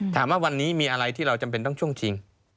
ถามว่าวันนี้มีอะไรที่เราจำเป็นต้องช่วงชิง